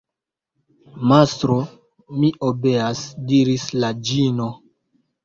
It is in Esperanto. Mastro, mi obeas, diris la ĝino.